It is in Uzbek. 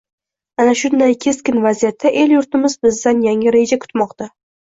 Ana shunday keskin vaziyatda el-yurtimiz bizdan yangi reja kutmoqda.